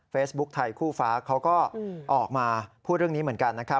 ไทยคู่ฟ้าเขาก็ออกมาพูดเรื่องนี้เหมือนกันนะครับ